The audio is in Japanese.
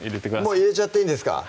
もう入れちゃっていいんですか？